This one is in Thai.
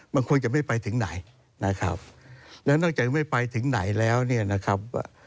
มันควรจะไม่ไปถึงไหนนะครับแล้วนอกจากไม่ไปถึงไหนแล้วเนี่ยนะครับว่า